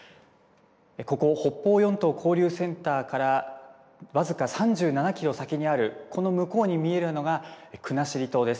ここ、北方四島交流センターから僅か３７キロ先にある、この向こうに見えるのが国後島です。